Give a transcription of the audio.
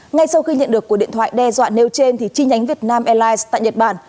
ngay sau khi nhận được cuộc điện thoại đe dọa nêu trên chi nhánh việt nam airlines tại nhật bản